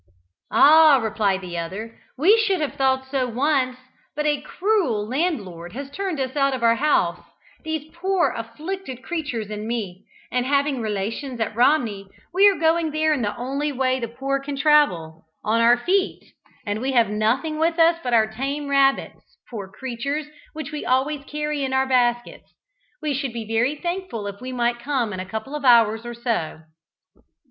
"Ah!" replied the other, "we should have thought so once, but a cruel landlord has turned us out of our house, these poor afflicted creatures and me, and having relations at Romney we are going there in the only way the poor can travel on our feet, and we have nothing with us but our tame rabbits, poor creatures, which we always carry in our baskets. We should be very thankful if we might come in for a couple of hours or so."